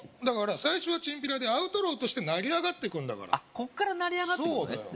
だから最初はチンピラでアウトローとして成り上がってくんだからこっから成り上がってくのね